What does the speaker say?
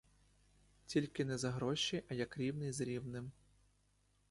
Тільки не за гроші, а як рівний з рівним.